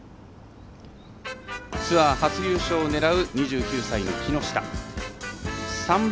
ツアー初優勝を狙う２９歳の木下。